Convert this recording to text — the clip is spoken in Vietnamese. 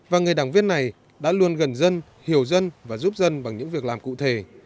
và người đảng viên này đã luôn gần dân hiểu dân và giúp dân bằng những việc làm cụ thể